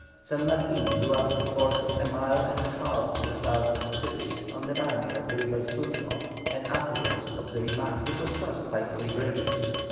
San Martin drew up his forces a mile and a half to the south of the city, on the banks of the river Surco an affluent of the Rimac, which was crossed by three bridges.